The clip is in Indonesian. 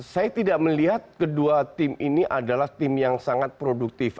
saya tidak melihat kedua tim ini adalah tim yang sangat produktif